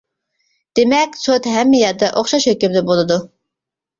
دېمەك سوت ھەممە يەردە ئوخشاش ھۆكۈمدە بولىدۇ.